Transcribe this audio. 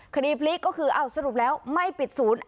คดีพลิกก็คือสรุปแล้วไม่ปิดศูนย์